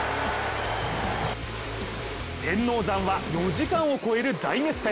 天王山は４時間を超える大熱戦。